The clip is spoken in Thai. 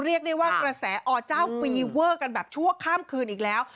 เรียกได้ว่ากระแสอเจ้าฟีเวอร์กันแบบชั่วข้ามคืนอีกแล้ว